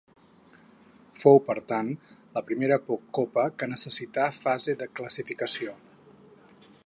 Fou, per tant, la primera Copa que necessità fase de classificació.